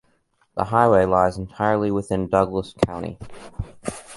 The highway lies entirely within Douglas County.